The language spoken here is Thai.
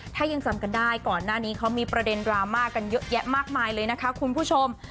ถ้ายังจำกันได้ก่อนหน้านี้เขามีประเด็นดราม่ากันเยอะแยะมากมายเลยนะคะคุณผู้ชม